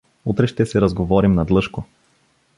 — Утре ще се разговорим надлъжко.